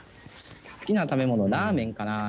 好きな食べ物ラーメンかな。